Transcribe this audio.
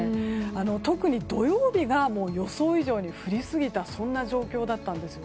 特に土曜日が予想以上に降りすぎたそんな状況だったんです。